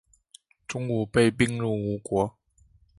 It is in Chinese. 钟吾被并入吴国。